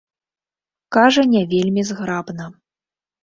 Кажа не вельмі зграбна.